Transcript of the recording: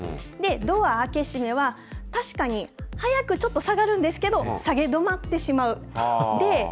ドア開け閉めは、確かに早くちょっと下がるんですけど、下げ止まってしまう。